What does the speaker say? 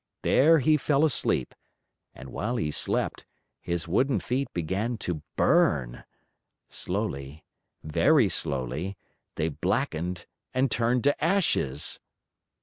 There he fell asleep, and while he slept, his wooden feet began to burn. Slowly, very slowly, they blackened and turned to ashes.